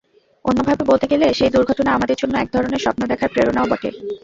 অন্যভাবে বলতে গেলে, সেই দুর্ঘটনা আমাদের জন্য একধরনের স্বপ্ন দেখার প্রেরণাও বটে।